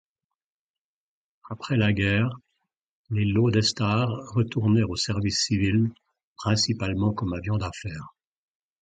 Après la guerre, les Lodestar retournèrent au service civil, principalement comme avions d'affaires.